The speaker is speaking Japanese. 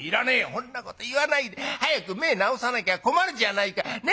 「そんなこと言わないで早く目ぇ治さなきゃ困るじゃないか。ね。